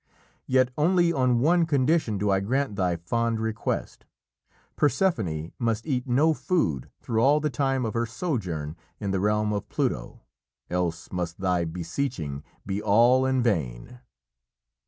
Yet only on one condition do I grant thy fond request. Persephone must eat no food through all the time of her sojourn in the realm of Pluto, else must thy beseeching be all in vain."